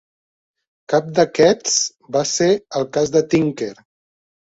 Cap d'aquests va ser el cas de Tinker.